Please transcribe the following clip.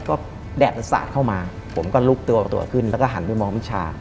ก็แดดมันสาดเข้ามาผมก็ลุกตัวขึ้นแล้วก็หันไปมองมิชา